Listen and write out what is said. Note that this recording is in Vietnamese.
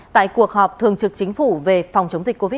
tại cuộc họp thường trực chính phủ về phòng chống dịch covid một mươi chín